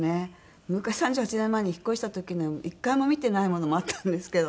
昔３８年前に引っ越した時に１回も見てないものもあったんですけど。